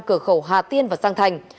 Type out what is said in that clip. cửa khẩu hà tiên và giang thành